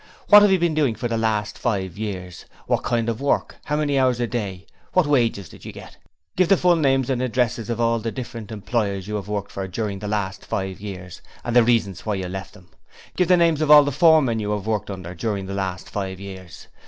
'What have you been doing for the last five years? What kind of work, how many hours a day? What wages did you get?' 'Give the full names and addresses of all the different employers you have worked for during the last five years, and the reasons why you left them?' 'Give the names of all the foremen you have worked under during the last five years?'